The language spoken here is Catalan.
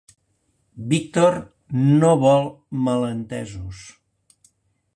Víctor no vol malentesos.